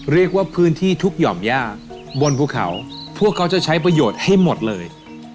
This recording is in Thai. เรียกว่าพื้นที่ทุกหย่อมย่าบนภูเขาพวกเขาจะใช้ประโยชน์ให้หมดเลย